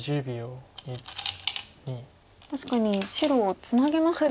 確かに白ツナげましたね。